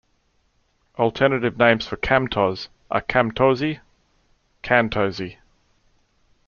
Alternative names for Kamtoz are "Camtozi", "Kantozi".